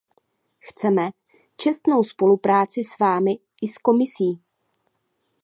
Chceme čestnou spolupráci s vámi i s Komisí.